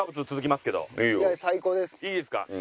いいですか？